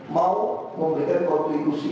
mau memberikan kontribusi itu